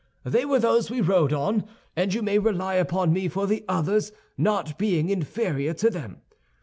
They were those we rode on; and you may rely upon me for the others not being inferior to them.